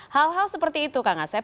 hal hal seperti itu kak ngasep